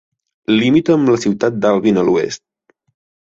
Limita amb la ciutat d'Alvin a l'oest.